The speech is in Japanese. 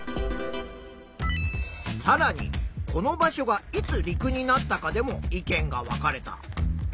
さらにこの場所がいつ陸になったかでも意見が分かれた。